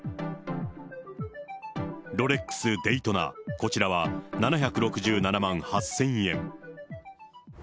ロレックス・デイトナ、こちらは７６７万８０００円。